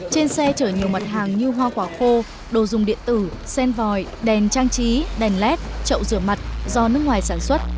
trên xe chở nhiều mặt hàng như hoa quả khô đồ dùng điện tử sen vòi đèn trang trí đèn led trậu rửa mặt do nước ngoài sản xuất